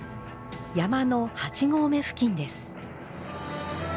山の８合目付近です。